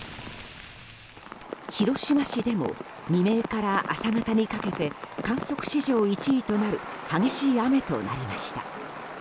広島市でも未明から朝方にかけて観測史上１位となる激しい雨となりました。